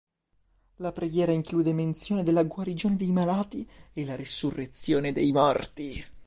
La preghiera include menzione della guarigione dei malati e la resurrezione dei morti.